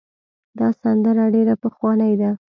دا سندره ډېره پخوانۍ ده.